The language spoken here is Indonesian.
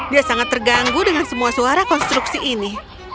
dia sangat terganggu dengan semua suara konstruksi ini